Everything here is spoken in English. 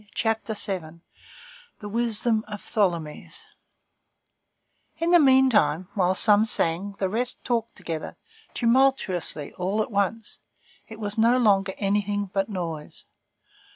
CHAPTER VII—THE WISDOM OF THOLOMYÈS In the meantime, while some sang, the rest talked together tumultuously all at once; it was no longer anything but noise.